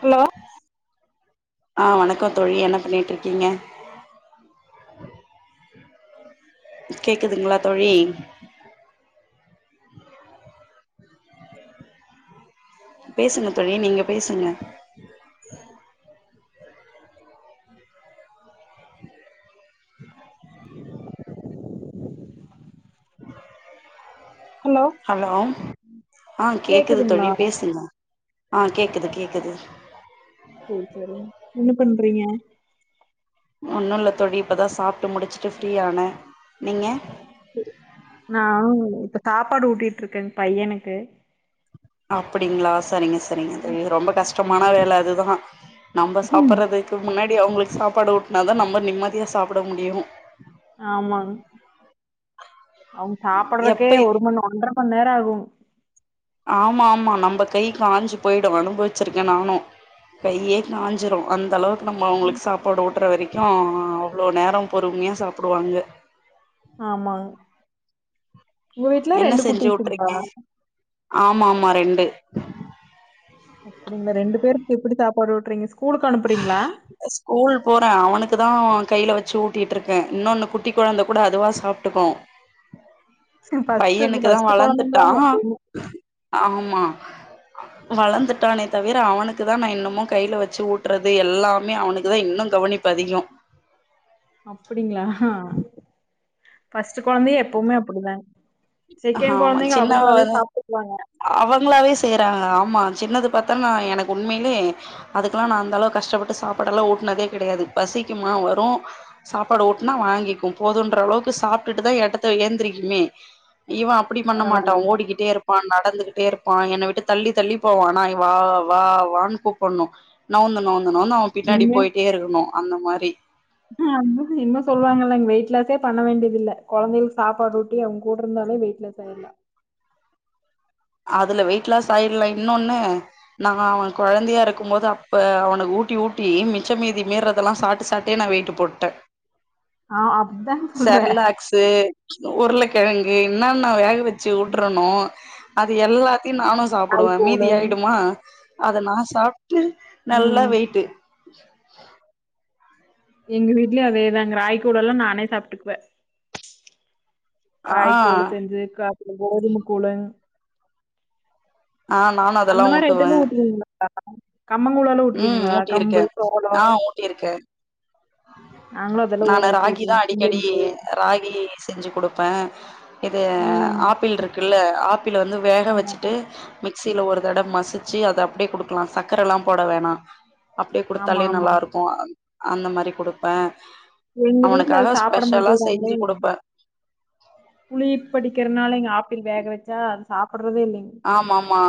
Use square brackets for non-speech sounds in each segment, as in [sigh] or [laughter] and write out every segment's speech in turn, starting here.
Hello ஆ வணக்கோ தோழி என்ன பண்ணிட்ருக்கீங்க கேக்குதுங்களா தோழி பேசுங்க தோழி நீங்க பேசுங்க ஹலோ அ கேக்குது கேக்குதுங்களா தோழி பேசுங்க அ கேக்குது கேக்குது ஓ செரிங் என்ன பண்றீங்க ஒன்னு இல்ல தோழி இப்ப தா சாப்ட்டு முடுச்சுட்டு ஃப்ரீயானே நீங்க நானுங் இப்ப சாப்பாடு ஊட்டிட்ருக்கேங் பையனுக்கு அப்டிங்ளா சரிங்க சரிங்க தோழி ரொம்ப கஷ்டமான வேல அதுதா நம்ம ம் சாப்பற்றது கு முன்னாடி அவுங்களுக்கு சாப்பாடு ஊட்னா தா நம்ம நிம்மதியா சாப்ட முடியு ஆமாங் அவுங்க சாப்றக்கே எப்ப ஒரு மண் ஒன்றமண்நேரோ ஆகு ஆமா ஆமா நம்ப கை காஞ்சு போய்டு அனுபவச்சுருக்கே நானு கையே காஞ்சுறு அந்தளவுக் நம்ம அவுங்களுக்கு சாப்பாடு ஊட்ற வரைக்கு அவ்ளோ நேரோ பொறும்மையா சாப்புடுவாங்க ஆமாங் ஒங்க வீட்ல ரெண்டு குட்டீஸ் இருக்கா ஆமாமா ரெண்டு அப்டிங்ளா ரெண்டு பேருக்கு எப்டி சாப்பாடு ஊட்றீங்க ஸ்கூலுக்கு அனுப்புறீங்ளா ஸ்கூல் போறே அவனுக்கு தா கையில வச்சு ஊட்டிட்டு இருக்கே இன்னோன்னு குட்டி கொழந்த கூட அதுவா சாப்ட்டுக்கு ஃபர்ஸ்ட் பையனுக்கு தா ஃபர்ஸ்ட் வளந்துட்டா கொழந்தைங்கதாங்க எப்பவுமே ஆமா வளந்துட்டானே தவிர அவனுக்கு தா நா இன்னமு கையில வச்சு ஊட் றது எல்லாமே அவனுக்கு தா இன்னு கவனிப்பு அதிகோ அப்புடிங்ளா ஃபஸ்ட்டு கொழந்தயே எப்பவுமே அப்புடி தாங் செகேண்ட் ஆமா கொழந்தைங்க சின்னவ அவுங்களாவே சாப்ட்டுகுவாங்க அவங்களாவே செய்யறாங்க ஆமா சின்னது பாத்தன்னா எனக்கு உண்மேலயே அதுக்கல்லா நா அந்தளவு கஷ்டப்பட்டு சாப்பாடல்லா ஊட்னதே கெடையாது பசிக்குமா வரு சாப்பாடு ஊட்னா வாங்கிக்கு போதுன்ற அளவுக்கு சாப்ட்டுட்டு தா எடத்த ஏந்திரிக்குமே இவே அப்பிடி பண்ண மாட்டா பரவாயில்லைங்க ஓடிக்கிட்டே இருப் பா நடந்துகிட்டே இருப்பா என்ன விட்டு தள்ளி தள்ளி போவா நா இ வா வா வான்னு கூப்பண்ணு நவுந்து நவுந்து நவுந்து அவே பின்னாடி போய்ட்டே இருக்கணு அந்த மாரி அ நம்முக்கு இன்னு சொல்லாங்கல்லங் வெய்ட் லாஸே பண்ண வேண்டிதில்ல கொழந்தைகளுக் சாப்பாடு ஊட்டி அவ்ங்க கூட இருந்தாலே வெய்ட் லாஸ் சாயர்லா அதுல வெய்ட் லாஸ் ஆயற்லா இன்னோன்னு நா அவே கொழந்தையா இருக்கும் போது அப்ப அவனுக்கு ஊட்டி ஊட்டி மிச்ச மீதி மீறதல்லா சாப்ட்டு சாப்ட்டு டே நா வெய்ட்டு போட்டே ஆ அப்டிதான் சொல்றேன். செர்லாக்ஸு உர்ள கெழங்கு என்னான்னா வேக வச்சு ஊட்றனோ அது எல்லா நானு சாப்டுவே மீதி ராய்கூலு ஆய்டுமா அத நா சாப்ட்டு நல்லா ம். வெய்ட்டு எங்க வீட்லயு அதே தாங் ராகி கூழலா நானே சாப்ட்டுக்குவே ஆ ராகி கூழு செஞ்சு க அப்றோ கோதும கூழுங் அ நானு அதெல்லா அந்த மாரி ஊட்டுவே ஐட்டந்தா ஊட்டுவீங்ளா கம்மங்கூழலல்லா ம் ஊட்டுவீங்களா ஊட்டியிருக்கே கம்பு சோளோ ஆ ஊட்டியிருக்கே நானு ராகி தா அடிக்கடி உளுந்து ராகி செஞ்சு குடுப்பே இது ம். ஆப்பிள் இருக்குல்ல ஆப்பிள வந்து வேக ஆமா. வச்சுட்டு மிக்சில ஒரு தடவ மசுச்சு அத அப்டியே குடுக்கலா சக்கரேலா போட வேணா அப்டியே ஆமா, குடுத்தாலே ஆமாங்க. நல்லாருக்கு அந்த மாரி குடுப்பே எங்க வீட்ல அது அவனுக்காக சாப்ட ஸ்பெஷலா மாட்டேகிறாங்களே செஞ்சு குடுப்பே புளிப்படிக்கிறனால இங்க ஆப்பிள் வேக வச்சா அது சாப்பிட்றதே இல்லைங் ஆமாமா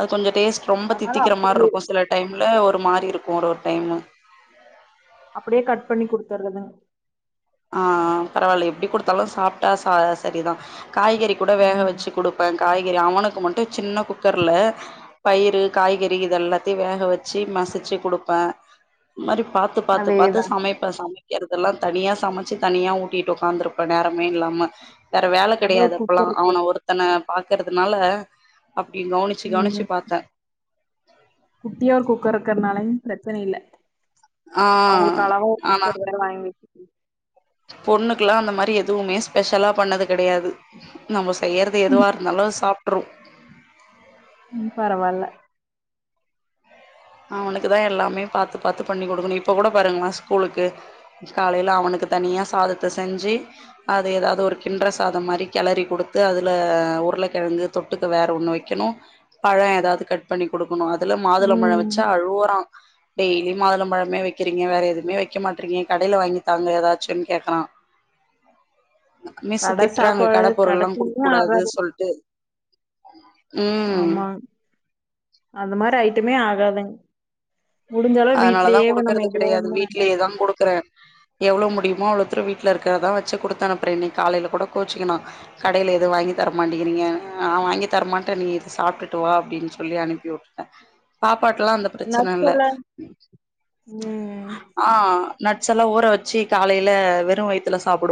அது கொஞ்சோ டேஸ்ட் ரொம்ப அதனால அப் தித்திக்கிற மார்ருக்கு சில டைம்ல ஒரு மாரி இருக்கு ஒரொரு டைமு அப்டியே கட் பண்ணி குடுத்தர்றது ஆ பரவால்ல எப்டி குடுத்தாலு சாப்ட்டா ச சரிதா காய்கறி கூட வேக ம். வச்சு குடுப்பே காய்கறி அவனுக்கு மட்டு சின்ன குக்கர்ல பயிறு காய்கறி இதெல்லாத்தையு வேக வச்சு மசிச்சு குடுப்பே இன்மாரி பா த்து பாத்து‌ பாத்து அதேதான். சமைப்பே சமைக்கிறதெல்லா தனியா சமச்சு தனியா ஊட்டிட்டு ஒக்காந்துருப்பே நேரமே இல்லாம வேற வேல நல்ல ஒரு கெடயாது அப்பல்லா குக்கர் இருக்கு. அவன ஒருத் த்தன பாக்கறதுனால அப்டி கவனிச்சு கவனிச்சு ம். பாத்தே குட்டியா ஒரு குக்கர் இருக்கறனால பிரச்சனயில்ல ஆ அவுங்களுக்கு அளவா ஒரு குக்கர் வேற வாங்கி வச்சுருக்கோம். பொண்ணுக்ல்லா அந்த மாரி எதுமே ஸ்பெஷலா பண்ணது கெடயாது நம்ம செய்யறது எதுவாருந்தாலு அது சாப்ட்ரு ம் பரவால்ல அவனுக்கு தா எல்லாமே பாத்து பாத்து பண்ணி குடுக்கணு இப்ப கூட பாருங்களே ஸ்கூலுக்கு காலைல அவனுக்கு தனியா சாதத்த செஞ்சு அத எதாது ஒரு கிண்ற சாதோ மாரி கெளரி குடுத்து அதுல உருளக்கெழங்கு தொட்டுக்க வேற ஒண்ணு வெக்கணு பழோ எதாது கட் பண்ணி குடுக்கணு அதுல மாதுள பழோ வச் ம். அழுவுறா டெய்லி மாதுளம் பழமே வெக்கிறீங்க வேற எதுமே வெக்க மாட்றீங்க கடைல வாங்கி தாங்க எதாச்சுன் கேக்கறா மிஸ்ஸு கடை திட்றாங்க சாப்பாடு கட கடை பொருள்ல்லா குடுக்க தீனி கூடாது ஆகாது. சொல்ட்டு ம் ஆமா அந்த மார் ஐட்டமே ஆகாதுங் அதனால தா குடுக்குறது எதோ கெடயாது ஒண்ணு வீட்லயேதா குடுக்றே எவ்ளோ முடிமோ அவ்ளோத்துரு வீட்லருக்ற தா வச்சு குடுத்தனுப்புறே இன்னைக் காலைல கூட கோச்சுக்கினா கடைல எது வாங்கி தரமாட்டேங்கிறீங்க நா வாங்கி தரமாட்டே நீ இத சாப்ட்டுட்டு வா அப்டின் சொல்லி அனுப் ப்பி வுட்டே பாப்பாட்லா அந்த பிரச்சன இல்ல நட்ஸ்ஸெல்லா ம் ஆ நட்ஸ்ஸெல்லா ஊற வச்சு காலைல வெறு வய்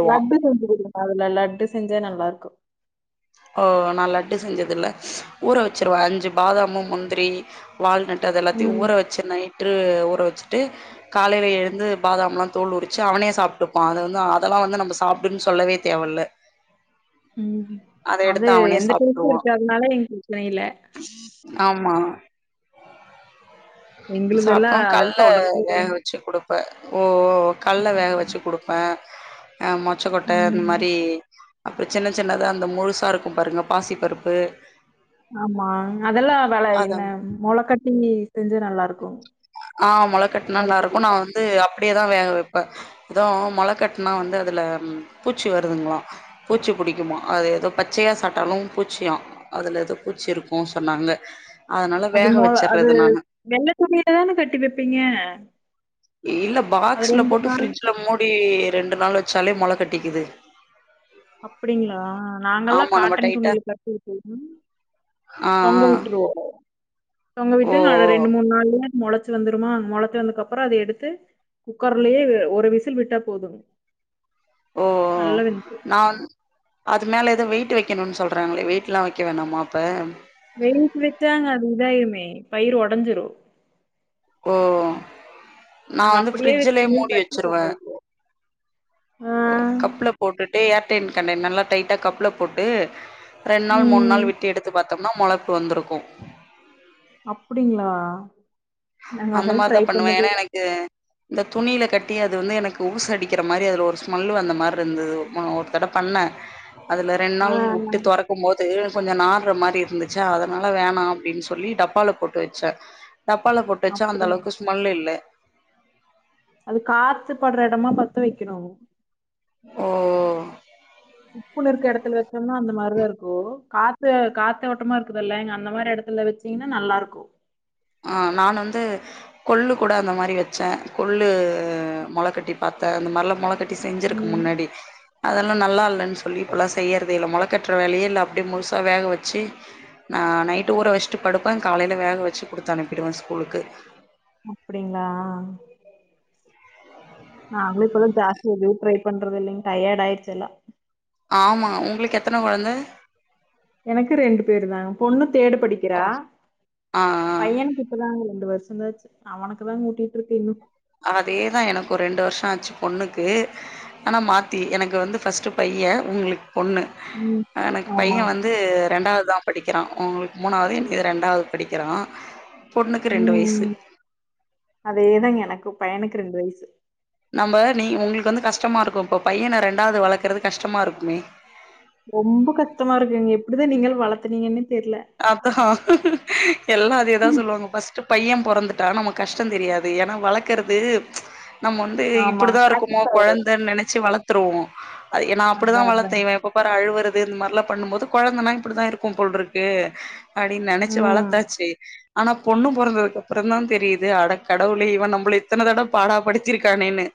லட்டு செஞ்சு குடுங்கமா அதுல லட்டு செஞ்சா நல்லாருக்கு ஓ நா லட்டு செஞ்சதில்ல ஊற வச்சுருவே அஞ்சு பாதாமு முந்திரி வால்நட் அது எல்லாத்தையு ம். ஊற வச்சு நைட்டு ஊற வச்சுட்டு காலைல எழுந்து பாதாம்லா தோல் உரிச்சு அவனே சாப்ட்டுப்பா அத வந்து அதெல்லா வந்து நம்ம சாப்டுன் சொல்லவே தேவல்ல ம் அத அது எடுத்து அவனே எந்த டேஸ்ட்டு சாப்ட்ருவா இருக்காதுனால [inaudible] ப்ரச்சனயில்ல ஆமா சாப்ட்டோ எங்களுதெல்லாம் அதெல்லாம் கல்ல தொடரும். வேக வச்சு குடுப்பே ஓ கல்ல வேக வச்சு குடுப் ப அ மொச்ச கொட்ட ம். அன்மாரி அப்றோ சின்ன சின்னதா அந்த முழுசாருக்கு பாருங்க பாசி பருப்பு ஆமா அதெல்லா வேல அத என்ன மொளக்கட்டி செஞ்சா நல்லாருக்கு ஆ மொளக்கட்னா நல்லாருக்கு நா வந்து அப்டியேதா வேக வெப்பே எதோ மொளக்கட்னா வந்து அதுல பூச்சி வருதுங்ளா பூச்சி புடிக்குமா அது எதோ பச்சயா சாப்ட்டாலு பூச்சியா அதுல எதோ பூச்சி இருக்கு சொன்னாங்க அதனால அது வேக மொள அது வச்சர்றது நானு வெள்ள துணில தானே கட்டி வெப்பீங்க இல்ல பாக்ஸ்ல போட்டு நாள் ஃப்ரிட்ஜ்ல மூடி ரெண்டு நாள் வச்சாலே மொள கட்டிக்குது அப்டிங்களா நாங்கல்லா ஆமா நம்ம காட்டன் டைட்டா துணில கட்டி வெச்சிருவோ ஆ தொங்க ஆ விட்ருவோ தொங்க ஓ ஓ விட்டு நா அத ரெண்டு மூணு நாள்ல மொளச்சு வந்துருமா மொளச்சு வந்தக்கப்றோ அத எடுத்து குக்கர்லயே ஒரு விசில் விட்டா போது ஓ நா வ அது மேல எது வெய்ட்டு வெக்கணுனு சொல்றாங்களே வெய்ட்லா வெக்க வேணாமா அப்ப வெய்ட் வச்சாங்க அது இதாயிடுமே பயிரு ஒடஞ்சிரு ஓ நாங்க நான் வந்து அப்படியே ஃப்ரிட்ஜ்லயே துணில மூடி கட்டி தொங்க வச்சுருவே. விட்ருவோ அ கப்ல போட்டுட்டு ஏர்டைன் கண்டய்னர் நல்லா டைட்டா கப்ல போட்டு ரெண்டு நாள் மூணு ம். நாள் விட்டு எடுத்து பாத்தோம்னா முளக்கு வந்திருக்கு அப்படிங்களா நாங்க அந்த அதெல்லா மாரிதா ட்ரை பண்ணுவே பண்ணதே ஏன்னா இல்ல எனக்கு இந்த துணில கட்டி அது வந்து எனக்கு ஊசு அடிக்கிற மாரி அதுல ஒரு ஸ்மெல்லு அந்த மாரி இருந்தது மோ தட பண்ணே அதுல ரெண்டு ஆ. நாள் உட்டு தொரக் க்கும்போது கொஞ்ச நார்ற மாரி இருந்துச்சா அதனால வேணா அப்டின்னு சொல்லி டப்பால போட்டு வச்சே டப்பால போட்டு வச்சா அப்ப அந்தளவுக்கு ஸ்மெல்லு இல்ல அது காத்து பட்ற எடமா பாத்து வெக்கணு ஓ குப்புன்னு இருக்க எடத்துல வச்சோனா அந்த மாரிதா இருக்கு காத்து காத்தோட்டமா இருக்குதில்ல எங்க அந்த மாரி எடத்துல வச் சிங்கன்னா நல்லாருக்கு ஆ நான் வந்து கொள்ளு கூட அந்த மாரி வெச்சே கொள்ளு மொளக்கட்டி பாத்தே அந்த மாரிலா மொளக்கட் டி செஞ்சிருக்கு ம் முன்னாடி அதெல்லா நல்லா இல்லன்னு சொல்லி இப்பல்லா செய்யறதேல்ல மொளக்கட்ற வேலயே இல்ல அப்டியே முழுசா வேக வெச்சு நா நைட்டு ஊற வெச்சுட்டு படுப்பே காலைல வேக வெச்சு குடுத்தனுப்பிடுவே ஸ்கூலுக்கு அப்டிங்களா நாங்களு இப்பலா ஜாஸ்தி எது ட்ரை பண்றது இல்லைங்க டயர்டு ஆயிடுச்சி எல்லா ஆமா உங்களுக்கு எத்தன கொழந்த எனக்கு ரெண்டு பேரு தா பொண்ணு தேடு படிக்கிறா ஆ ஆ ஆ. பையனுக்கு இப்தாங்க ரெண்டு வருஷோதா ஆச்சு அவனுக்கு தா கூட்டிட்டு இருக்கு இன்னு அதே தா எனக்கு ரெண்டு வருஷோ ஆச்சு பொண்ணுக்கு ஆனா மாத்தி எனக்கு வந்து ஃபஸ்ட்டு பைய உங்களுக்கு பொண்ணு ம் எனக்கு பைய வந் ஆமாங்க வந்து ரெண்டாவது தா படிக்கிறா உங்களுக்கு மூணாவது எனக்கு இது ரெண்டாவது படிக்கிறா பொண்ணுக்கு ரெண்டு வயசு ம் அதேதாங்க எனக்கு பையனுக்கு ரெண்டு வயசு நம்ம நீ உங்களுக்கு வந்து கஷ்டமா இருக்கு இப்போ பையன ரெண்டாவது வளக்கறது கஷ்டமா இருக்குமே ரொம்ப கஷ்டமா இருக்குங்க எப்டிதா நீங்கள் வளத்துனீங்கன்னு தெர்ல அதா எல்லா அதேதா சொல்லுவாங்க பஸ்ட்டு பைய பொறந்துட்டா நமக்கு கஷ்ட தெரியாது ஏனா வளக் க்குறது நம்ம வந்து ஆமா இப்டிதா இருக்குமோ பிராக்டிஸ் ஆயிடும் கொழந்தன்னு நெனைச்சு வளர்த்துருவோ அ நா அப்டிதா அதான் வளத்தே இவ இப்போ எப்ப பாரு அழுவுறது இந்த மாரில்லா பண்ணும்போது கொழந்தனா இப்டிதா இருக்கு போல்ருக்கு அடின்னு நெனச்சு ம். வளத்தாச்சு ஆனா பொண்ணு பொறந்ததுக்கு அப்றோன்தா தெரிது அட கடவுளே இவ நம்மள இத்தன தடவ பாடா படித்திருக்கானேனு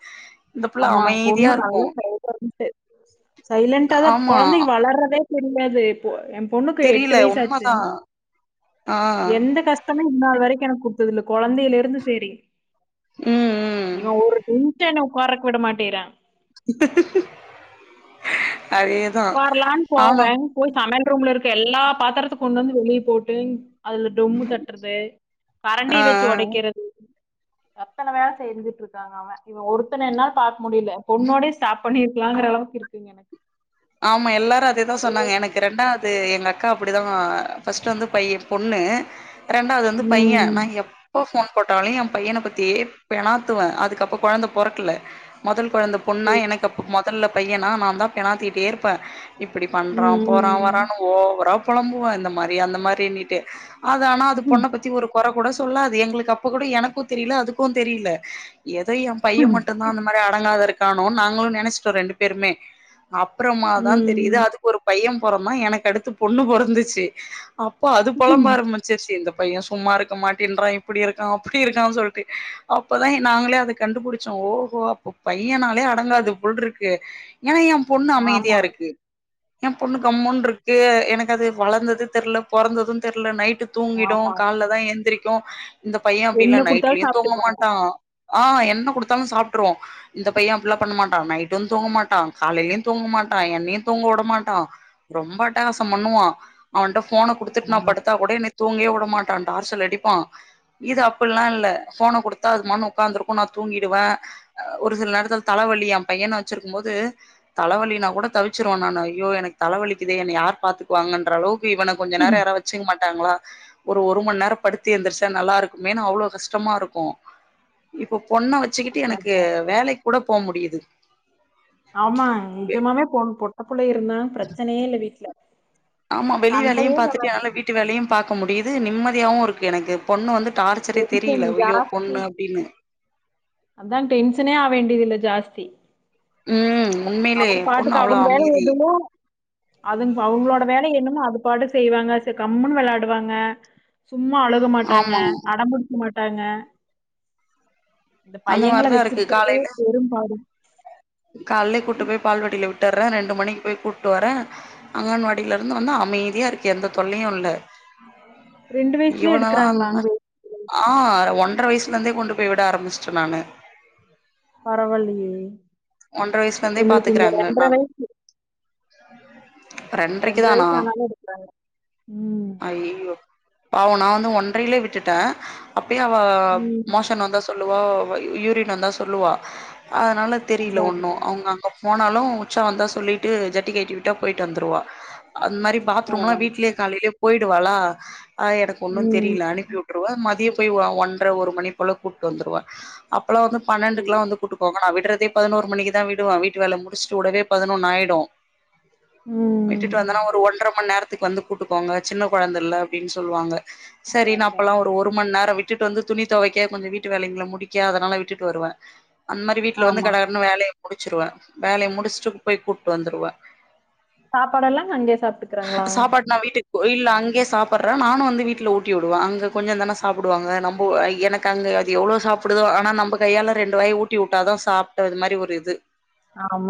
ஆமா பொண்ணு நல்ல சைலன்ட்டு சைலன்டாதா ஆமா கொழந்தைங்க வளர்றதே தெரியாது இப்போ எ பொண்ணுக்கு எட்டு தெரில வய்சாச்சு உண்மதா ஆ எந்த கஷ் டோமே இன்னால் வரைக்கு எனக் குடுத்தது இல்ல கொழந்தைல இருந்து சேரி ம் ம் இவ ஒரு என்ன உக்காரக் விட மாட்டிக்றா அதேதா உக்காரலான் போவே நானு போய் சமைல் ரூம்ல இருக்க எல்லா பாத்தரத்த கொண்டு வந்து வெளிய போட்டு அதுல டும்மு தட்டுறது ஆ கரண்டிய வெச்சு ஒடைக்கறது எத்தன வேல செஞ்சிட்ருக்காங்க அவ இவ ஒருத்தன என்னால பாக்க முடில பொண்ணோட ஸ்டாப் பண்ணிருக்கலாங்குற அளவுக்கு இருக்குங்க எனக்கு ஆமா எல்லாரு அதேதா சொன்னாங்க எனக்கு ரெண்டாவ்து அது எங்க அக்கா அப்டிதா ஃபஸ்டு வந்து பைய் பொண்ணு ரெண்டாவது வந்து பைய நா ம். எப் எப்ப போன் போட்டாலு எ பையன பத்தியே பேணாத்துவ அதுக்கப்ப கொழந்த பொறக்கல முதல் கொழந்த பொண்ணா சரி. எனக் அப்போ முதல்ல பையனா நா தா பேணாத்திட்டே இருப்ப இப்டி பண்றா போறா ம், வரான்னு ஓவரா போலம்புவ இந்த மாரி அந்த மாரினிட்டு அது ஆனா அது ம், பொண்ண பத்தி ஒரு கொற கூட சொல்லாது எங்களுக்கு அப்ப கூட எனக்கு தெரில அதுக்கு தெரில எதோ எ பைய ம். மட்டுதா அந்த மாரி அடங்காத இருக்கானோன் நாங்களு நெனச்சிட்டோ ரெண்டு பேருமே அப்றோமாதா தெரியுது ம். அதுக்கு ஒரு பைய பொறதா எனக்கு அடுத்து பொண்ணு பொறந்துச்சு அப்போ அது பொழம்ப ஆரம்மி செர்சி இந்த பைய சும்மா இருக்க மாட்டின்றா இப்புடி இருக்கா அப்புடி இருக்கான் சொல்டு இப்பதா எ நாங்களே அத கண்டுபுடிச்சோ ஓஹோ அப்ப பையனாலே அடங்காது போல்ருக்கு எனா எ பொண்ணு ஆமா, அமைதியா இருக்கு எ பொண்ணு கம்முன்ருக்கு எனக்கு அது வளந்தது தெர்ல போறந்தது தெர்ல நைட்டு தூங்கிடு ஆமா. கால்லதா எந்திரிக்கு இந்த பைய அப்டில்ல என்ன குடுத்தாலும் நைட்லயு தூங்க சாப்பிட்டுக்குவாங்க. மாட்டா ஆ என்ன குடுத்தாலு சாப்ட்ருவோ இந்த பைய அப்டிலா பண்ண மாட்டா நைட்டு தூங்க மாட்டா காலைலயு தூங்க மாட்டா என்னையு தூங்கவுட மாட்டா ரொம்ப அட்டகாசோ பண்ணுவா அவன்ட போன குடுத்துட் நா ஆமா. படுத்தா கூட என்னைய தூங்கயே உடமாட்டா டார்சல் அடிப்பா இது அப்புல்லா இல்ல போன குடுத்தா அது மானு உக்காந்துருக்கு நா தூங்கிடுவே ஒரு சில நேரத்துல தலவலி எ பையன வெச்சிருக்கும்போது தலவலினா கூட தவிச்சுருவ நானு ஐயோ எனக்கு தலவலிக்குதே என்ன யார் பாத்துக்குவாங்கன்ற அளவுக்கு இவன கொஞ்ச நேரோ யாரா வெச் வெச்சுக் மாட்டாங்ளா ஒரு ஒருமண் நேரோ படுத்து எந்திர்சா நல்லாருக்குமேனு அவ்ளோ கஷ்டமாருக்கு இப்ப பொண்ண வெச்சுக்குட்டு அதான், எனக்கு அதான். வேலைக் கூட போ முடிது ஆமா நிஜமாவே பொண் பொட்ட புள்ள இருந்தா ப்ரச்சனயே இல்ல வீட்ல ஆமா வெளி வேலையு சண்டையே பாத்துட்டு என்னால வீட்டு வேலையு பாக்க முடியுது நிம்மதியாவு இருக்கு எனக்கு பொண்ணு வந்து டார் சரியா வரும் தெரில ஐயோ பொண்ணு அப்டினு அதா டென்ஷனே ஆ வேண்டியதில்ல ஜாஸ்தி ம் உண்மையிலே அவங் பொண்ணு பாட்டுக்கு அவ்ளோ அவங்க வேலய அமைதி இதுங்க அதுங் அவுங்ளோட வேலைய என்னமோ அது பாட்டுக் செய்றாங்க செ கம்முனு வெளையாடுவாங்க சும்மா அழுக மாட்டாங்க ஆமா அடம்புடிக்க மாட்டாங்க இந்த அந்த பையங்கள மாரிதா இருக்கு வெச்சிர்கறதே பெரும்பாடு கால்லயே கூட்டு போய் பால்வடில விட்டர்றே ரெண்டு மணிக்கு போய் கூட்டு வரே அங்கன்வாடில இருந்து வந்து அமைதியா இருக்கு எந்த தொல்லையு இல்ல வயசுலயே இவனல்லா எடுக்குறாங்களா? ஆனன அங்க ஆ ஒன்ரை வயசுல இருந்தே கொண்டு போய் விட ஆரம்பிச்சுட்டே நானு பரவலயே ஒன்ற வயசுல இருந்தே பாத்துக்கறாங்க நாங்க வயசு ரெண்ரைக்கு தானா வயசு ஆனாலும் எடுக்குறாங்க. ம். அய்யயோ பாவ நானு ஒன்றையிலயே விட்டுட்டே அப்பயே அவ ம். மோஷ ன் வந்தா சொல்லுவா யூரின் வந்த சொல்லுவா அதனால தெரியல அதான் ஒண்ணு அதான் அவங்க அங்க போனாலு உச்சா வந்தா சொல்லிட்டு ஜட்டி கழட்டிவிட்டா போயிட்டு வந்துருவா அந்த மாரி பாத்ரூம்லா பரவால்ல. வீட்லயே காலையிலேயே போயிடுவாளா அ எனக்கு ஒன்னு ம். தெரியல அனுப்பிவி மதிய போய் ஒன்ரை ஒரு மணி போல கூப்ட்டு வந்துருவே அப்பல்லா வந்து சரி. பன்னெண்டுக்குல்லா வந்து கூட்டு போவே விடுறதே பதினோரு மணிக்கு தான் விடுவே வீட்டு வேலை முடிச்சுட்டு விடவே பதினொன்னு ஆயிடு உம் விட்டுட்டு வந்தனா ஒரு ஒன்ற மணி நேரத்துக்கு வந்து கூட்டுக்கோங்க சின்ன குழந்தைல்ல அப்டின்னு சொல்லுவாங்க சரி அதான் நா அப்பல்லா அதான். ஒரு ஒரு மணி நேரம் விட்டுட்டு வந்து துணிதுவைக்க கொஞ்சம் வீட்டு வேலைங்களை முடிக்க அதனால விட்டுட்டு வருவவே அந்த மாரி வீட்டுல வந்து ஆமா. வேலையை முடிச்சிருவே வேலையை முடிச்சுட்டு போய் கூப்ட்டு வந்துருவே சாப்பாடு எல்லா அங்கயே சாப்ட்டுக்கிறாங்களா சாப்பாடு நா இல்ல அங்கே சாப்புறா நானு வந்து வீட்ல ஊட்டி விடுவே அங்க கொஞ்ச தான சாப்டுவாங்க நம்போ எனக்கு அங்க அது எவ்ளோ சாப்டுதோ ஆனா நம்ம கையால ரெண்டு வாய் ஊட்டி விட்டாதா சாப்ட்டது மாதிரி ஒரு இது ஆமா